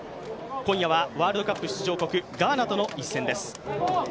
今夜はワールドカップ出場国ガーナとの一戦です。